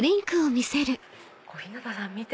小日向さん見て！